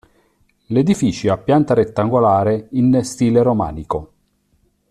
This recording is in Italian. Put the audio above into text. L'edificio è a pianta rettangolare in stile romanico.